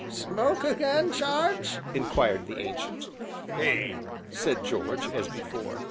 "Smoke again, Jarge?" inquired the Ancient. "Ay," said George, as before.